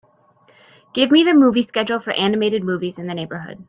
Give me the movie schedule for animated movies in the neighbourhood